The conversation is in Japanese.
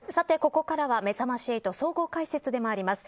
ここからは、めざまし８総合解説でもあります